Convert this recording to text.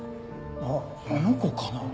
あっあの子かな。